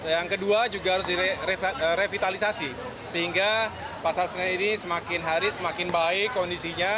yang kedua juga harus direvitalisasi sehingga pasar senen ini semakin hari semakin baik kondisinya